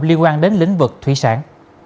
liên quan đến lĩnh vực thủy sản